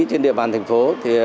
trên địa bàn thành phố